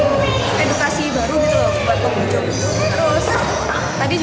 lalu pengunjungnya juga berkata bahwa